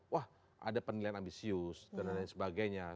wah ada penilaian ambisius dan lain sebagainya